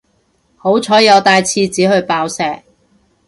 好彩有帶廁紙去爆石